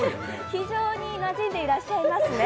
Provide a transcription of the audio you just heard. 非常になじんでいらっしゃいますね。